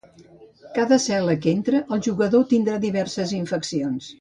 Cada cel·la que entra el jugador tindrà diverses infeccions.